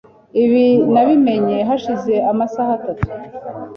Ibi nabimenye hashize amasaha atatu .